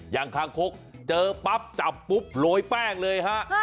คางคกเจอปั๊บจับปุ๊บโรยแป้งเลยฮะ